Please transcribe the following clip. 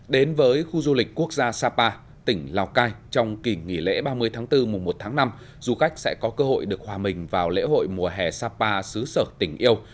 đến với khu du lịch quốc gia sapa tỉnh lào cai trong kỳ nghỉ lễ ba mươi tháng bốn mùa một tháng năm du khách sẽ có cơ hội được hòa mình vào lễ hội mùa hè sapa xứ sở tình yêu